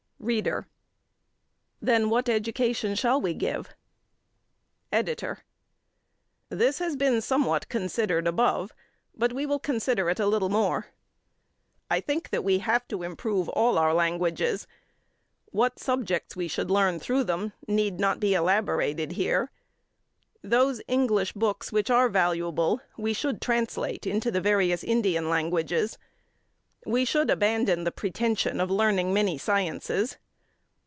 READER: Then what education shall we give? EDITOR: This has been somewhat considered above, but we will consider it a little more. I think that we have to improve all our languages. What subjects we should learn through them need not be elaborated here. Those English books which are valuable we should translate into the various Indian languages. We should abandon the pretension of learning many sciences.